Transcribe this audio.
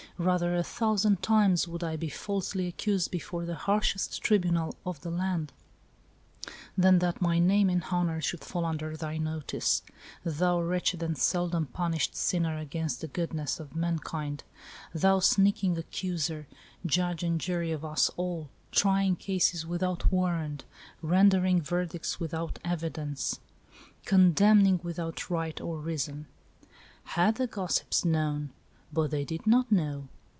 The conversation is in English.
Rather, a thousand times, would I be falsely accused before the harshest tribunal of the land, than that my name and honor should fall under thy notice, thou wretched and seldom punished sinner against the goodness of mankind, thou sneaking accuser, judge and jury of us all, trying cases without warrant, rendering verdicts without evidence, con demning without right or reason ! Had the gossips known. But they did not know.